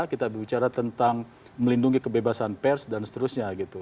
kita bicara tentang melindungi kebebasan pers dan seterusnya gitu